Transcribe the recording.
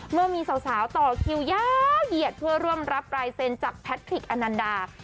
เมื่อมีสาวต่อคิวยาวเหยียดเพื่อร่วมรับรายเซ็นต์จากแพทริกอนันดา